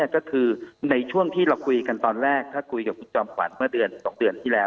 ก็คือในช่วงที่เราคุยกันตอนแรกถ้าคุยกับคุณจอมขวัญเมื่อเดือน๒เดือนที่แล้ว